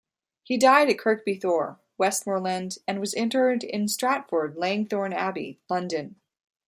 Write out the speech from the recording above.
He died at Kirkby Thore, Westmorland and was interred in Stratford Langthorne Abbey, London.